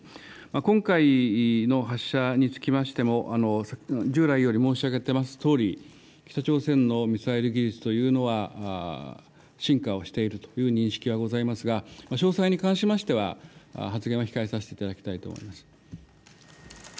今回の発射につきましても、従来より申し上げていますとおり、北朝鮮のミサイル技術というのは進化をしているという認識はございますが、詳細に関しましては、発言は控えさせていただきたいと思います。